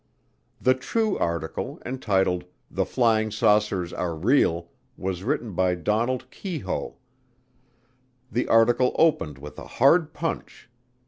The True article, entitled, "The Flying Saucers Are Real," was written by Donald Keyhoe. The article opened with a hard punch.